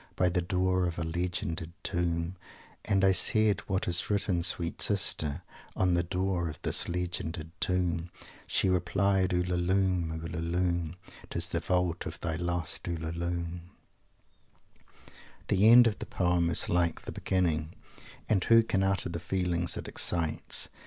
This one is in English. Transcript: By the door of a Legended Tomb, And I said: 'What is written, sweet sister, On the door of this legended Tomb?' She replied, Ulalume Ulalume Tis the vault of thy lost Ulalume!" The end of the poem is like the beginning, and who can utter the feelings it excites?